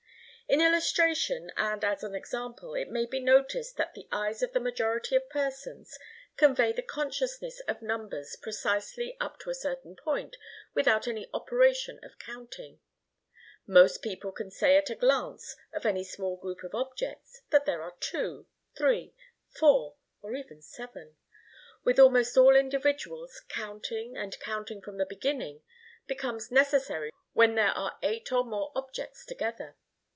In illustration and as an example it may be noticed that the eyes of the majority of persons convey the consciousness of numbers precisely, up to a certain point, without any operation of counting. Most people can say at a glance, of any small group of objects, that there are two, three, four, or even seven. With almost all individuals, counting, and counting from the beginning, becomes necessary when there are eight or more objects together.